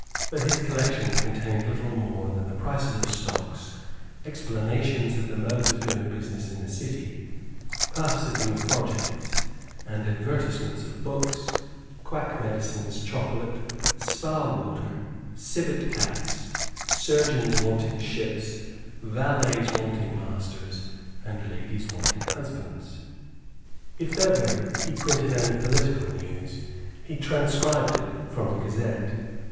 But his Collection contained little more than the prices of stocks, explanations of the modes of doing business in the City, puffs of new projects, and advertisements of books, quack medicines, chocolate, spa water, civet cats, surgeons wanting ships, valets wanting masters and ladies wanting husbands. If ever he printed any political news, he transcribed it from the Gazette.